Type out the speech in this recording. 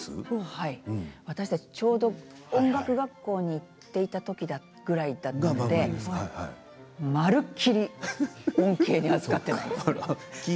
私たち、ちょうど音楽学校に行っていたときぐらいだったのでまるっきり恩恵に預かっていない。